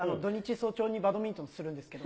早朝にバドミントンするんですけど。